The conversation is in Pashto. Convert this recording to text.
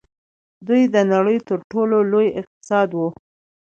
دوی د نړۍ تر ټولو لوی اقتصاد وو.